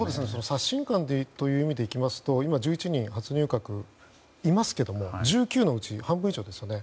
刷新感という意味でいいますと今１１人初入閣がいますけども１９のうち半分以上ですよね。